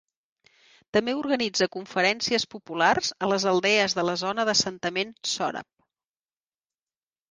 També organitza conferències populars a les aldees de la zona d'assentament sòrab.